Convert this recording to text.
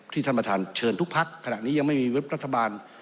ท่านประธานเชิญทุกพักขณะนี้ยังไม่มีเว็บรัฐบาล